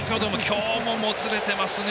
今日も、もつれてますね